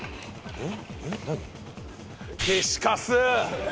えっ？